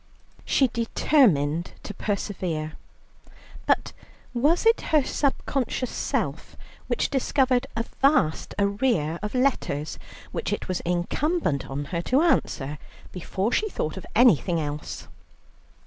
She determined to persevere, but was it her subconscious self which discovered a vast arrear of letters which it was incumbent on her to answer before she thought of anything else?